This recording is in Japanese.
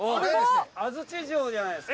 安土城じゃないですか。